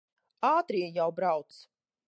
Ātrie jau brauc.